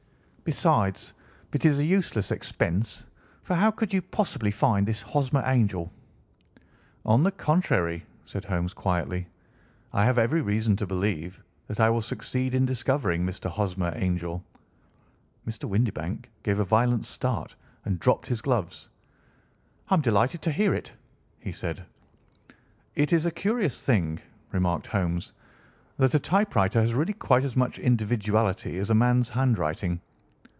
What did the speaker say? Besides, it is a useless expense, for how could you possibly find this Hosmer Angel?" "On the contrary," said Holmes quietly; "I have every reason to believe that I will succeed in discovering Mr. Hosmer Angel." Mr. Windibank gave a violent start and dropped his gloves. "I am delighted to hear it," he said. "It is a curious thing," remarked Holmes, "that a typewriter has really quite as much individuality as a man's handwriting.